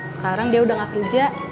sekarang dia udah gak kerja